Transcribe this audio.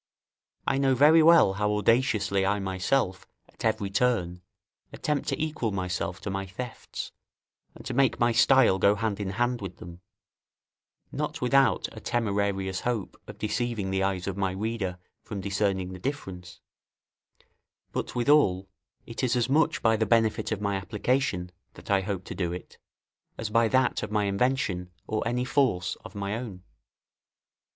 I know very well how audaciously I myself, at every turn, attempt to equal myself to my thefts, and to make my style go hand in hand with them, not without a temerarious hope of deceiving the eyes of my reader from discerning the difference; but withal it is as much by the benefit of my application, that I hope to do it, as by that of my invention or any force of my own.